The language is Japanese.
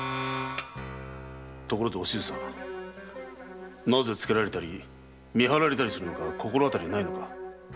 ところでお静さん。なぜつけられたり見張られたりするのか心当たりはないのか。